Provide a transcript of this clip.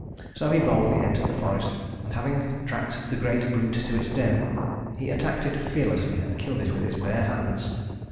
So he boldly entered the forest, and having tracked the great brute to its den, he attacked it fearlessly and killed it with his bare hands.